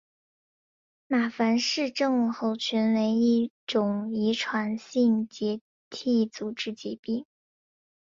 马凡氏症候群为一种遗传性结缔组织疾病。